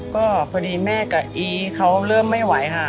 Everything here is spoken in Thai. ก็พอดีแม่กับอีเขาเริ่มไม่ไหวค่ะ